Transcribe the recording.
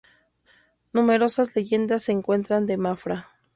Numerosas leyendas se cuentan de Mafra.